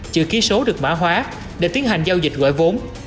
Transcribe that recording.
chữ ký số được mã hóa để tiến hành giao dịch gọi vốn